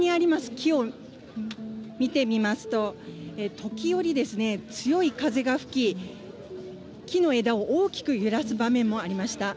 木を見てみますと、時折ですね、強い風が吹き、木の枝を大きく揺らす場面もありました。